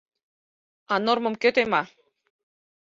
— А нормым кӧ тема?